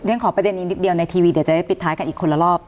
ขอประเด็นนี้นิดเดียวในทีวีเดี๋ยวจะได้ปิดท้ายกันอีกคนละรอบ